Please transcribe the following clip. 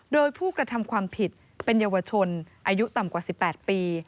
โดยผู้กระทำความผิดเป็นเยาวชนอายุต่ำกว่า๑๘ปี